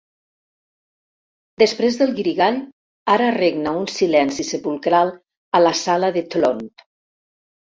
Després del guirigall, ara regna un silenci sepulcral a la Sala de Tlön.